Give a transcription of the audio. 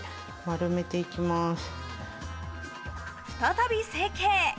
再び成形。